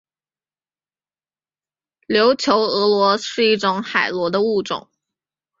琉球峨螺是一种海螺的物种。